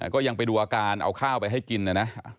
ก็ยังไปดูอาการเอาข้าวไปให้กินนะนะ